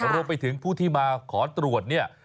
รวมไปถึงผู้ที่มาขอตรวจเนี่ย